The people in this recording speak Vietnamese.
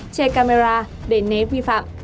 che camera để né vi phạm